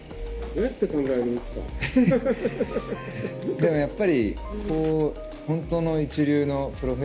でもやっぱり。